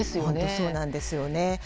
本当そうなんですよね。